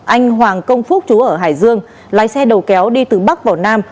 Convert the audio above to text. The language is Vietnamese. anh hoàng công phúc chú ở hải dương lái xe đầu kéo đi từ bắc vào nam